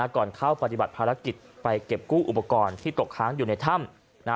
ก่อนเข้าปฏิบัติภารกิจไปเก็บกู้อุปกรณ์ที่ตกค้างอยู่ในถ้ำ